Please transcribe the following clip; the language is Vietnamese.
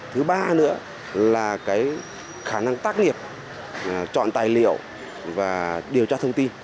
thứ ba nữa là cái khả năng tác nghiệp chọn tài liệu và điều tra thông tin